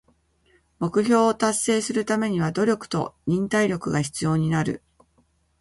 目標を達成するためには努力と忍耐力が必要になる。